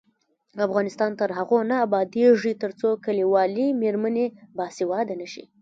افغانستان تر هغو نه ابادیږي، ترڅو کلیوالې میرمنې باسواده نشي.